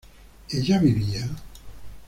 ¿ella vivía?